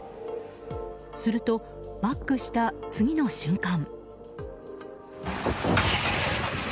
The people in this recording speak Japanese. すると、バックした次の瞬間。